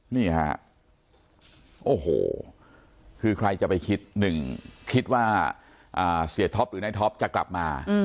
นี่ฮะโอ้โหคือใครจะไปคิดหนึ่งคิดว่าเสียท็อปหรือนายท็อปจะกลับมา